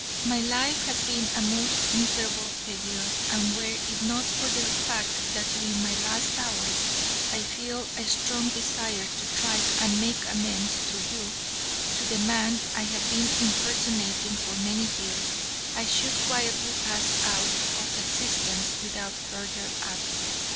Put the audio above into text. "'My life has been a most miserable failure, and were it not for the fact that during my last hours I feel a strong desire to try and make amends, through you, to the man I have been impersonating for many years, I should, quietly pass out of existence without further ado.